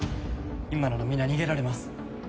・今なら皆逃げられます